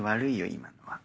今のは。